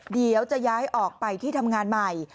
เดี๋ยวจะย้ายออกไปที่ทำงานใหม่